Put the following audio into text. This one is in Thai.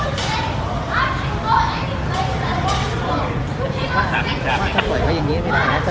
ตอนที่สุดมันกลายเป็นสิ่งที่ไม่มีความคิดว่า